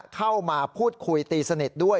เข้ามาพูดคุยตีสนิทด้วย